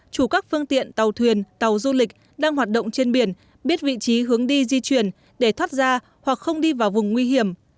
chủ các phương tiện tàu thuyền tàu du lịch đang hoạt động trên biển biết vị trí hướng đi di chuyển để thoát ra hoặc không đi vào vùng nguy hiểm